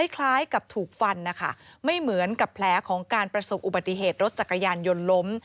คล้ายกับถูกฟันนะคะไม่เหมือนกับแผลของการประสบอุบัติเหตุรถจักรยานยนต์ล้ม